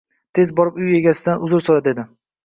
Tez borib uy egasidan uzr so`ra, dedi